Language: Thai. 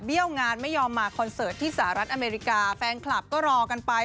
งานไม่ยอมมาคอนเสิร์ตที่สหรัฐอเมริกาแฟนคลับก็รอกันไป